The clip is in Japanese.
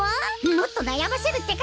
もっとなやませるってか！